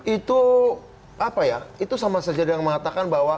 itu apa ya itu sama saja dengan mengatakan bahwa